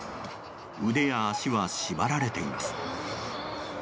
腕や足は縛られています。